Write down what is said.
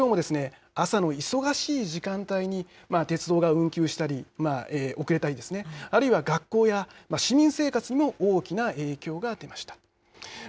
きょうもですね朝の忙しい時間帯に鉄道が運休したり遅れたりですね、あるいは学校や市民生活にも大きな影響が出ました。